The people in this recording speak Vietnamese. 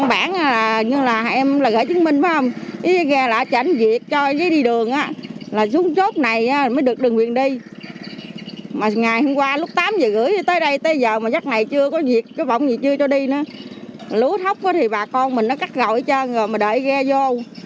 bà con mình nó cắt gạo hết trơn rồi mà đợi ghe vô